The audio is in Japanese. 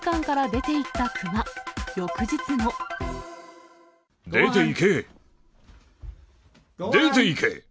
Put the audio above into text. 出ていけ！